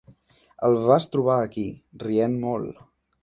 El vas trobar aquí, rient molt.